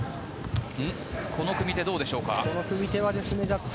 この組み手はどうでしょうか。